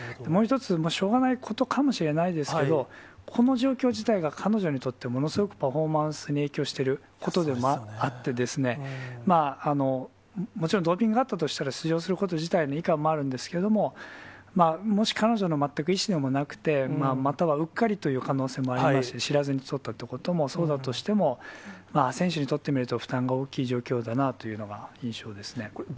もう一つ、しょうがないことかもしれないですけれども、この状況自体が彼女にとってものすごくパフォーマンスに影響していることでもあって、もちろんドーピングがあったとしたら、出場すること自体のもあるんですけれども、もし彼女の全く意思でもなくて、またはうっかりという可能性もあります、知らずにとったということもそうだとしても、選手にとってみると負担が大きい状況だなというのは印象ですね。